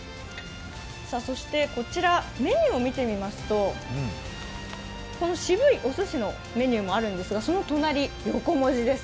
こちらメニューを見てみますと、渋いおすしのメニューもあるんですが、その隣、横文字です。